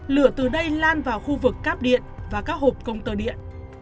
lửa từ đây lan vào khu vực cáp điện và các hộp công tơ điện